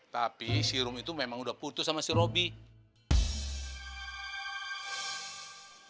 tapi si rom itu memang udah putus sama si roby